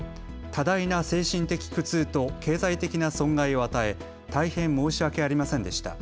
多大な精神的苦痛と経済的な損害を与え大変申し訳ありませんでした。